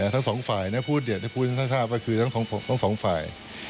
ทั้งสองฝ่ายพูดสถาปก็คือทั้งสองฝ่าย